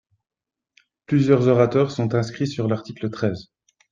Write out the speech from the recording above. Plusieurs orateurs sont inscrits sur l’article treize.